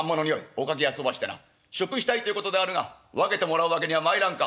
お嗅ぎあそばしてな食したいということであるが分けてもらうわけにはまいらんか？」。